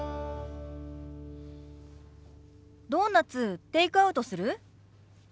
ドーナツテイクアウトする？